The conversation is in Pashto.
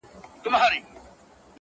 له سرو خولیو لاندي اوس سرونو سور واخیست,